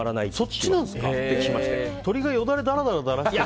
鶏がよだれだらだら垂らしてる。